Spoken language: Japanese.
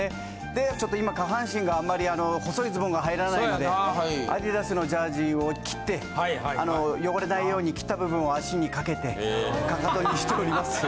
でちょっと今下半身があんまり細いズボンが入らないんでアディダスのジャージを切って汚れないように切った部分を足にかけて踵にしております。